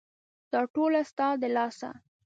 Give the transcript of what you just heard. دا ټوله ستا د لاسه !